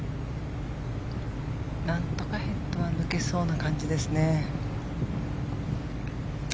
何とかヘッドは抜けそうな感じですね。